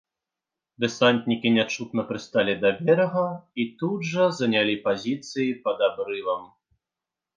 Дэсантнікі нячутна прысталі да берага і тут жа занялі пазіцыі пад абрывам.